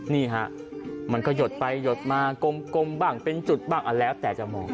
นี่ฮะมันก็หยดไปหยดมากลมบ้างเป็นจุดบ้างแล้วแต่จะมอง